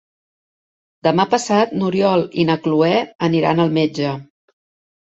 Demà passat n'Oriol i na Cloè aniran al metge.